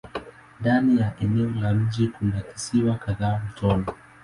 Ndani ya eneo la mji kuna visiwa kadhaa mtoni.